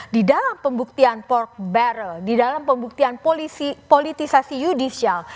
di dalam pembuktian port barrel di dalam pembuktian politisasi yudisial